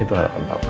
itu harapan papa